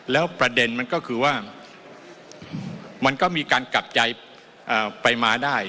แล้วประเด็นมันก็คือว่ามันก็มีการกลับใจไปมาได้